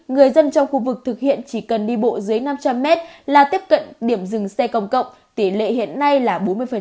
người dân trong khu vực thực hiện chỉ cần đi bộ dưới năm trăm linh mét là tiếp cận điểm dừng xe công cộng tỷ lệ hiện nay là bốn mươi